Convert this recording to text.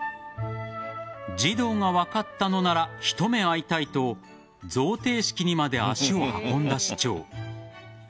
児童が分かったのなら一目会いたいと贈呈式にまで足を運んだ市長。